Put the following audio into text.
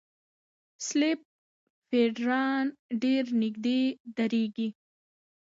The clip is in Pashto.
سلیپ فېلډران ډېر نږدې درېږي.